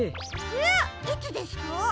えっいつですか？